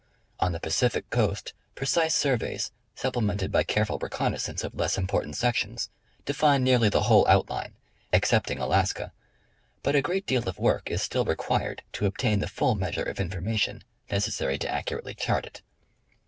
On the Pacific coast precise surveys supplemented by careful reconnaissance of less important sections, define nearly the whole outline, excepting Alaska, but a great deal of work is still required to obtain the full measure of information necessary to accurately chart it.